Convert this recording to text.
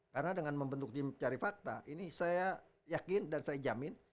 karena dengan membentuk tim pencari fakta ini saya yakin dan saya jamin